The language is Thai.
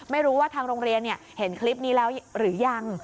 ไม่รู้ว่าทางโรงเรียนเห็นคลิปนี้แล้วหรือยัง